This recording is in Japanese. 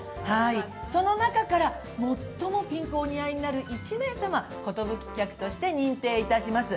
その中から、最もピンクがお似合いになる１名様、寿客として認定いたします。